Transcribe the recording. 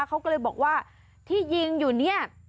เขาก็เลยบอกว่าที่ยิงอยู่เนี่ย